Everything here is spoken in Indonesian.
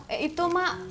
eh itu emak